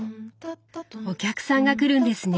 お客さんが来るんですね。